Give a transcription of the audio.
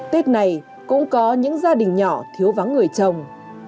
tết này cũng có những gia đình nhỏ thiếu vắng người chồng